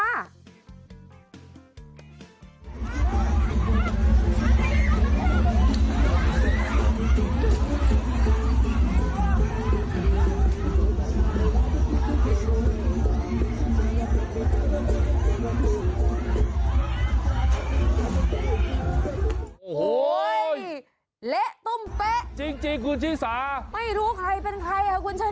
โอ้โหเละตุ้มเป๊ะจริงคุณชิสาไม่รู้ใครเป็นใครค่ะคุณชนะ